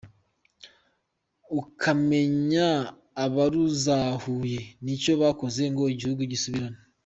Ukamenya abaruzahuye n’icyo bakoze ngo igihugu gisubirane.